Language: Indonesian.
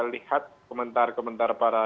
lihat komentar komentar para